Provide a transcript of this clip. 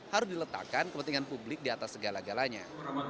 harus diletakkan kepentingan publik di atas segala galanya